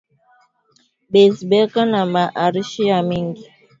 Baze beko na ma arishi ya mingi